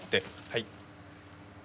はい。